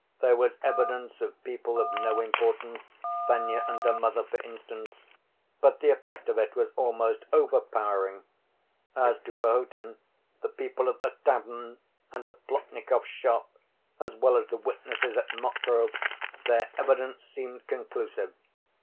There was evidence of people of no importance, Fenya and her mother, for instance, but the effect of it was almost overpowering. As to Perhotin, the people at the tavern, and at Plotnikov's shop, as well as the witnesses at Mokroe, their evidence seemed conclusive.